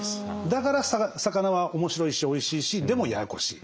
だから魚は面白いしおいしいしでもややこしい。